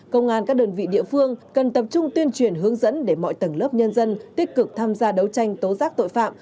công an các đơn vị địa phương cần tập trung tuyên truyền hướng dẫn để mọi tầng lớp nhân dân tích cực tham gia đấu tranh tố giác tội phạm